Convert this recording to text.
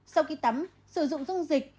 sau khi tắm sử dụng dung dịch